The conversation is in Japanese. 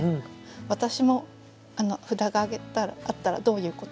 私も札があったら「どういうこと？」